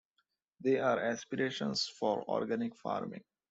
They are aspirations for organic farming.